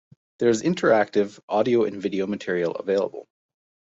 There is interactive, audio and video material available.